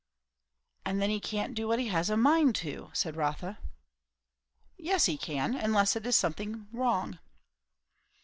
"And then he can't do what he has a mind to," said Rotha. "Yes, he can; unless it is something wrong."